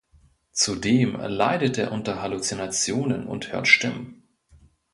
Zudem leidet er unter Halluzinationen und hört Stimmen.